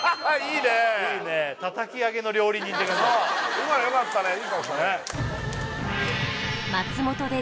今のよかったねいい顔したね